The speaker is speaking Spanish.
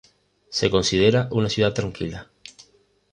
Se considera una ciudad tranquila.